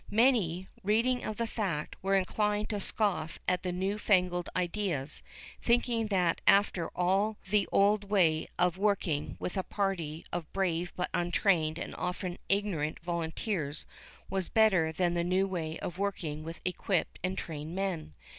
Many, reading of that fact, were inclined to scoff at the "new fangled" ideas, thinking that after all the old way of working with a party of brave but untrained and often ignorant volunteers was better than the new way of working with equipped and trained men.